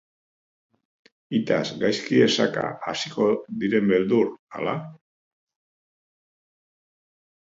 Hitaz gaizki-esaka hasiko diren beldur, ala?.